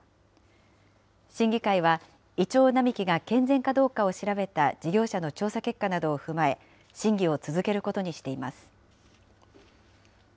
審議会は、イチョウ並木が健全かどうかを調べた事業者の調査結果などを踏まえ、審議を続けることにしています。